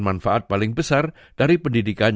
manfaat paling besar dari pendidikan